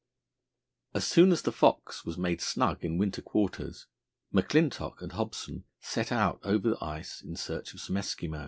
As soon as the Fox was made snug in winter quarters, McClintock and Hobson set out over the ice in search of some Eskimo.